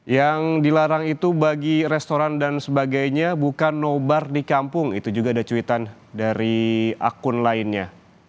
yang dilarang itu bagi restoran dan sebagainya bukan nobar di kampung itu juga ada cuitan dari akun lainnya